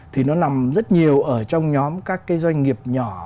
thì nó nằm rất nhiều ở trong nhóm các cái doanh nghiệp nhỏ